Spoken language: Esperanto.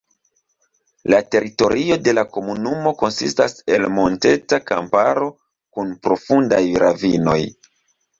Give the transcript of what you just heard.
La teritorio de la komunumo konsistas el monteta kamparo kun profundaj ravinoj.